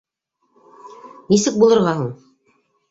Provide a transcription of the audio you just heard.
Нисек булырға һуң?